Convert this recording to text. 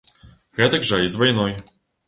Гэтак жа і з вайной.